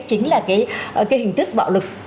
chính là cái hình thức bạo lực